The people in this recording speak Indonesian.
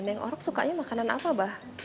neng orok sukanya makanan apa bah